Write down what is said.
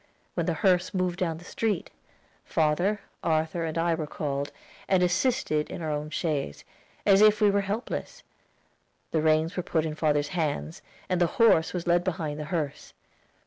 When the hearse moved down the street, father, Arthur, and I were called, and assisted in our own chaise, as if we were helpless; the reins were put in father's hands, and the horse was led behind the hearse.